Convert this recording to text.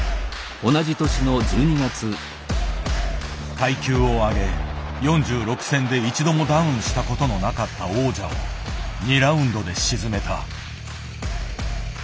階級を上げ４６戦で一度もダウンしたことのなかった王者を２ラウンドで沈めた。